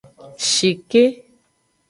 Shike.